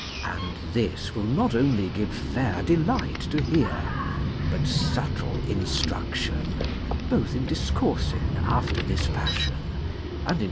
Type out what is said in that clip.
And this will not only give fair delight to hear, but subtle instruction, both in discoursing after this fashion h II.